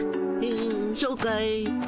ふんそうかい。